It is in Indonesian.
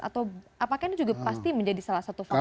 atau apakah ini juga pasti menjadi salah satu faktor